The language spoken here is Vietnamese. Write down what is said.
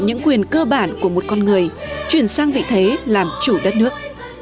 những quyền cơ bản của một con người chuyển sang vị thế làm chủ đất nước